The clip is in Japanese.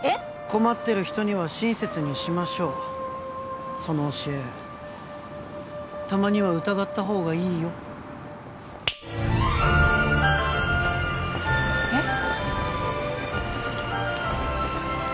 困ってる人には親切にしましょうその教えたまには疑った方がいいよえっ？